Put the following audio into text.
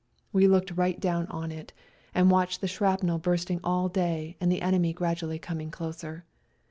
We looked right down on it, and watched the shrapnel bursting all day and the enemy gradually coming closer.